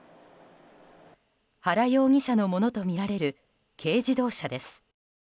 原容疑者のものとみられる軽自動車です。